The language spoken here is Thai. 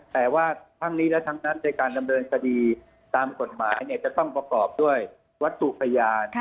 แต่ว่าทั้งนี้และทั้งนั้นในการดำเนินคดีตามกฎหมายจะต้องประกอบด้วยวัตถุพยาน